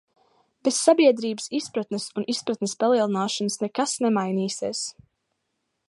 Bez sabiedrības izpratnes un izpratnes palielināšanas nekas nemainīsies.